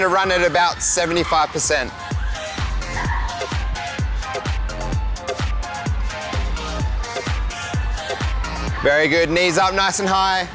ดูดับขึ้นดูดับขึ้น